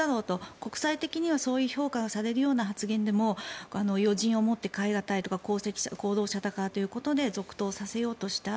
国際的にはそういう評価をされるような発言をした時も余人をもって代え難いとか功労者だからということで続投させようとした。